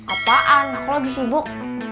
apaan aku lagi sibuk